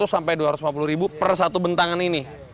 seratus sampai dua ratus lima puluh ribu per satu bentangan ini